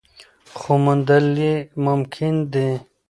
خو موندل یې ممکن دي.